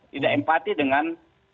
tidak empati dengan